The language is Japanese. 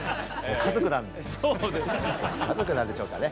家族なんでしょうかね。